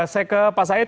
saya ke pak said